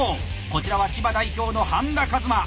こちらは千葉代表の半田一真。